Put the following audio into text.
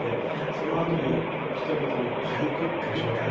そのあとに人々のパニクった状態。